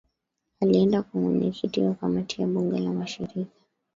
alienda kwa mwenyeKiti wa kamati ya bunge la mashirika